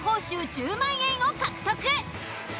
１０万円を獲得。